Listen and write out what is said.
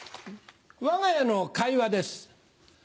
わが家の会話です。